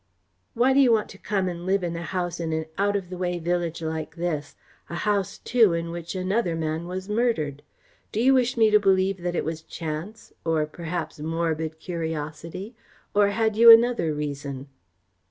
"Why do you want to come and live in a house in an out of the way village like this a house, too, in which another man was murdered? Do you wish me to believe that it was chance, or, perhaps, morbid curiosity, or had you another reason?"